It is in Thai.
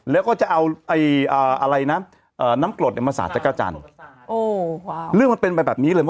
แล้วก็จะเอาน้ำกรดมาสระจักรจันทร์เรื่องมันเป็นแบบนี้เลย